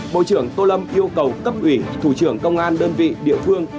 bộ trưởng tô lâm yêu cầu cấp ủy thủ trưởng công an đơn vị địa phương